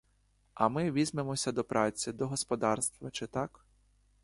А ми візьмемося до праці, до господарства, чи так?